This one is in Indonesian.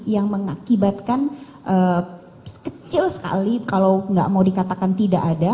yang mengakibatkan kecil sekali kalau nggak mau dikatakan tidak ada